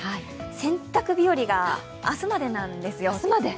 洗濯日和が明日までなんですよ。